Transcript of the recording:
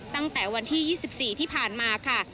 ตั้งแต่วันที่๒๔ที่ผ่านมาค่ะ